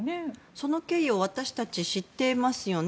その経緯を私たちは知っていますよね。